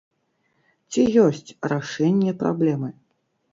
Ці ёсць рашэнне праблемы?